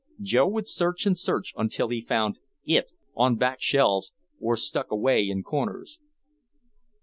Joe would search and search until he found "it" on back shelves or stuck away in corners.